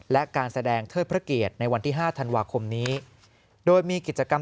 และการแสดงเทอดพระเกียรติในวันที่๕ธันวาคมนี้